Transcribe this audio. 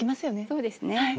そうですね。